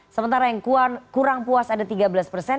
sementara yang kurang puas ada tiga belas persen